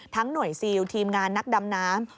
หน่วยซิลทีมงานนักดำน้ำ